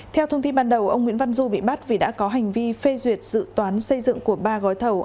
theo thông tin ban đầu ông nguyễn văn du bị bắt vì đã có hành vi phê duyệt dự toán xây dựng của ba gói thầu